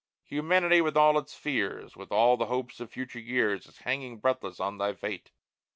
Humanity with all its fears, With all the hopes of future years, Is hanging breathless on thy fate!